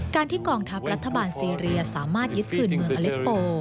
ที่กองทัพรัฐบาลซีเรียสามารถยึดคืนเมืองอเล็ปโป